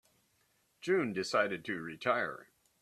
June decided to retire.